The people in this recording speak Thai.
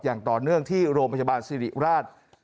อย่างต่อเนื่องที่โรงพยาบาลสิริราช